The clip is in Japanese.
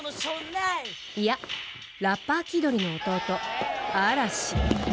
いや、ラッパー気取りの弟、嵐。